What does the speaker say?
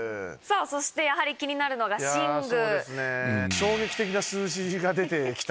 そしてやはり気になるのが寝具。